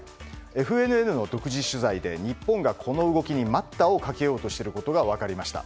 ＦＮＮの独自取材で日本がこの動きに待ったをかけようとしていることが分かりました。